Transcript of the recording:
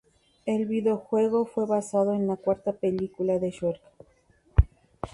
El videojuego fue basado en la cuarta película de Shrek.